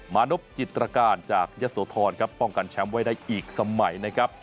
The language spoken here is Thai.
มานพจิตรการจากยะโสธรครับป้องกันแชมป์ไว้ได้อีกสมัยนะครับ